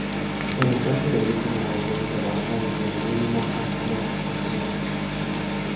El alcance de dichas narraciones abarca desde lo mínimo hasta lo cosmológico.